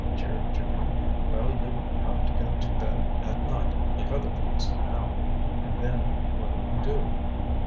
jeered Jimmy. "Well, you'll have to go to bed at night, like other folks, now. And then what'll you do?"